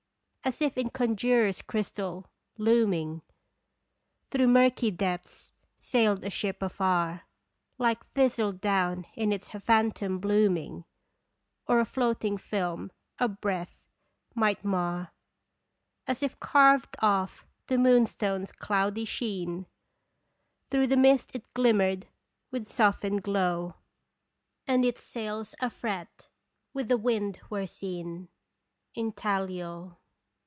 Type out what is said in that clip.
As if in conjurer's crystal, looming Through murky depths, sailed a ship afar Like thistle down in its phantom blooming, Or a floating film a breath might mar; As if carved of the moonstone's cloudy sheen, Through the mist it glimmered with softened glow, Ai J its sails afret with the wind were seen Intaglio.